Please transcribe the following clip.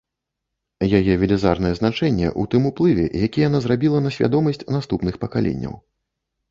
Яе велізарнае значэнне ў тым уплыве, які яна зрабіла на свядомасць наступных пакаленняў.